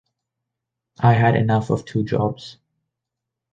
I had enough of two jobs.